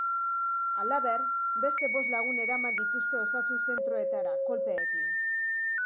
Halaber, beste bost lagun eraman dituzte osasun zentroetara, kolpeekin.